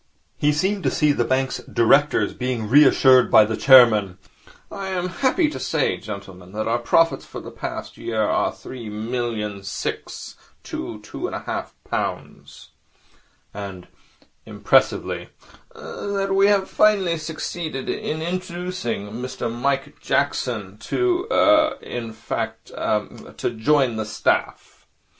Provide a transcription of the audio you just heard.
He seemed to see the bank's directors being reassured by the chairman. ('I am happy to say, gentlemen, that our profits for the past year are 3,000,006 2 2 1/2 pounds (cheers) and' impressively 'that we have finally succeeded in inducing Mr Mike Jackson (sensation) to er in fact, to join the staff!'